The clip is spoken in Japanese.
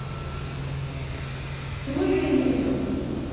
どういう意味でしょう？